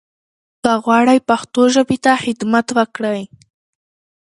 که غواړٸ پښتو ژبې ته خدمت وکړٸ